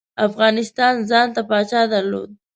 افغانستان ځانته پاچا درلود.